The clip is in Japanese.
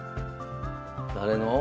誰の？